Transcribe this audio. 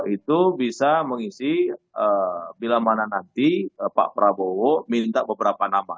itu bisa mengisi bila mana nanti pak prabowo minta beberapa nama